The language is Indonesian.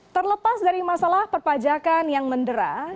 terlepas dari masalah perpajakan yang menderah